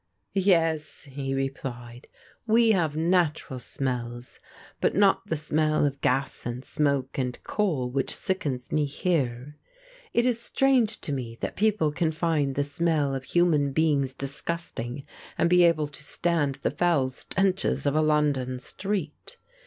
"Yes," he replied, "we have natural smells, but not the smell of gas and smoke and coal which sickens me here. It is strange to me that people can find the smell of human beings disgusting and be able to stand the foul stenches of a London street.